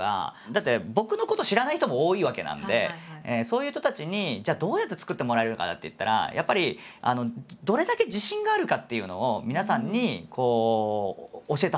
だって僕のこと知らない人も多いわけなんでそういう人たちにじゃあどうやって作ってもらえるかなっていったらやっぱり「どれだけ自信があるか」？